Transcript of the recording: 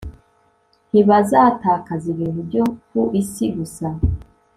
ntibazatakaza ibintu byo ku isi gusa